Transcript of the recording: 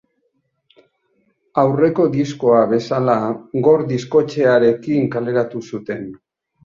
Aurreko diskoa bezala, Gor Diskoetxearekin kaleratu zuten.